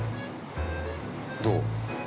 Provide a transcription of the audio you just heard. どう？